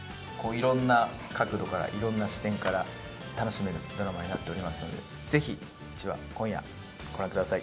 いろんな角度からいろんな視点から楽しめるドラマになっておりますのでぜひ、１話今夜ご覧ください。